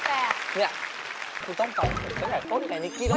เนี่ยคุณต้องต่อต้นกับก้อนไหนนิกกี้